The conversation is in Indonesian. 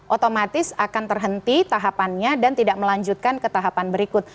otomatis akan terhenti tahapannya dan tidak melanjutkan ke tahapan berikut